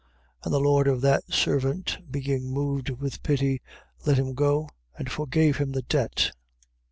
18:27. And the lord of that servant being moved with pity, let him go and forgave him the debt.